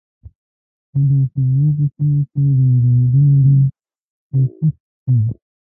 او د یوسفزیو په سیمه کې یې د مجاهدینو ډله تاسیس کړه.